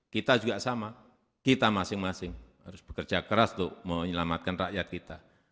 kita juga sama kita masing masing harus bekerja keras untuk menyelamatkan rakyat kita